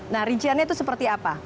nah rinciannya itu seperti apa